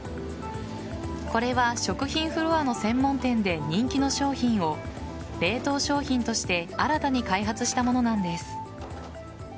これは食品フロアの専門店で人気の商品を冷凍商品として新たに開発したものなんです。